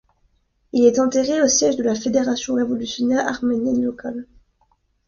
Il est enterré au siège de la Fédération révolutionnaire arménienne locale.